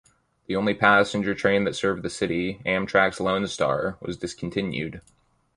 The only passenger train that served the city, Amtrak's Lone Star, was discontinued.